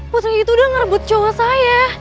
posisi itu udah ngerebut cowok saya